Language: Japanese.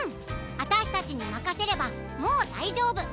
あたしたちにまかせればもうだいじょうぶ。